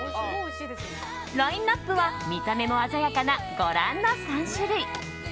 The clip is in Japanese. ラインアップは見た目も鮮やかなご覧の３種類。